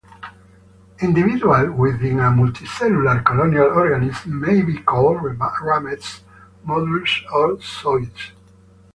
Individuals within a multicellular colonial organism may be called ramets, modules, or zooids.